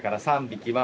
３匹？